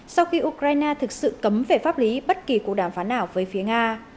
sau khi ukraine thực sự cấm về pháp lý bất kỳ cuộc đàm phán nào với phía nga